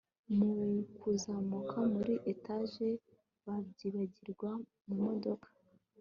mukuzamuka muri etage babyibagirirwa mu modoka